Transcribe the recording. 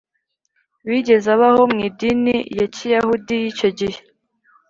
Wigeze abaho mu idini ya kiyahudi y icyo gihe